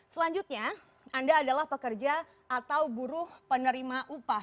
selanjutnya anda adalah pekerja atau buruh penerima upah